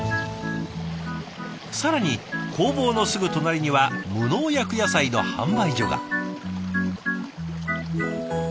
更に工房のすぐ隣には無農薬野菜の販売所が。